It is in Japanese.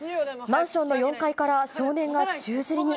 マンションの４階から少年が宙づりに。